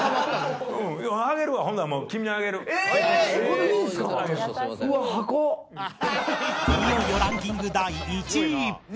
いよいよランキング第１位